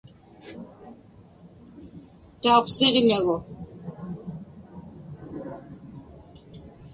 Tauqsiġlagu.